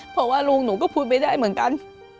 เพราะว่าลุงหนูก็พูดไม่ได้เหมือนกัน